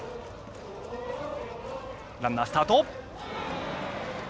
ランナースタート。